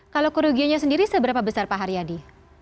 kalau kerugiannya sendiri seberapa besar pak haryadi